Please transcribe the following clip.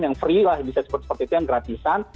yang free lah bisa seperti itu yang gratisan